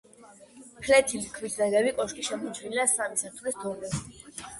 ფლეთილი ქვით ნაგები კოშკი შემორჩენილია სამი სართულის დონეზე.